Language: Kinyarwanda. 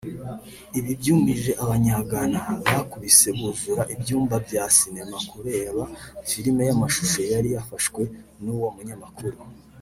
Ibi byumije abanya Ghana bakubise buzura ibyumba bya sinema kureba filim y’amashusho yari yafashwe n’uwo munyamakuru